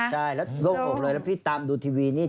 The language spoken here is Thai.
ใช่แล้วโล่งอกเลยแล้วพี่ตามดูทีวีนี่